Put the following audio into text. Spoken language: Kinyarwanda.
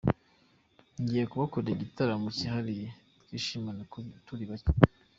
Ngiye kubakorera igitaramo cyihariye twishimane turi bake.